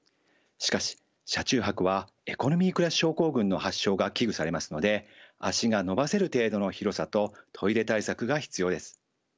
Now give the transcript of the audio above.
しかし車中泊はエコノミークラス症候群の発症が危惧されますので足が伸ばせる程度の広さとトイレ対策が必要です。